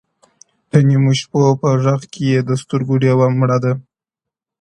د نيمو شپو په غېږ كي يې د سترگو ډېوې مړې دي ـ